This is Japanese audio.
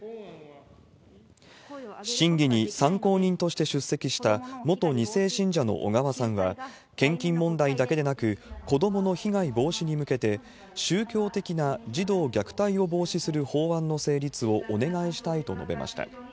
審議に参考人として出席した元２世信者の小川さんは、献金問題だけでなく、子どもの被害防止に向けて、宗教的な児童虐待を防止する法案の成立をお願いしたいと述べました。